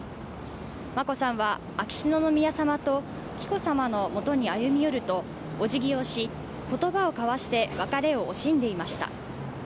眞子さんは、秋篠宮さまと紀子さまのもとに歩み寄るとお辞儀をし、言葉を交わして別れを惜しんでいました。